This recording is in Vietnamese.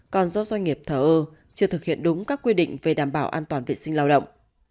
còn do doanh nghiệp thở ơ chưa thực hiện đúng các quy định về đảm bảo an toàn vệ sinh lao động